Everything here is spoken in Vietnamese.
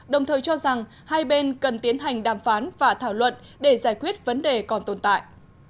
đồng thời cho rằng hai bên cần tiến hành đàm phán và thảo luận để giải quyết vấn đề còn tồn tại